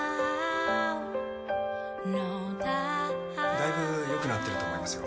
だいぶ良くなってると思いますよ。